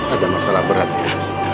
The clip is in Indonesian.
ada masalah berat di ajak